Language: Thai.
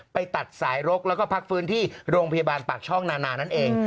ไปตัดสายรกแล้วก็พักฟื้นที่โรงพยาบาลปากช่องนานานั่นเอง